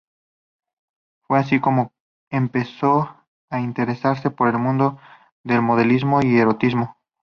Fue así como empezó a interesarse por el mundo del modelismo y erotismo.